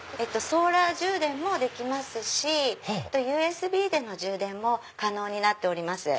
ソーラー充電もできますしＵＳＢでの充電も可能になっております。